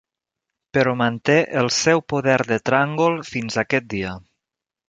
Però manté el seu poder de tràngol fins aquest dia.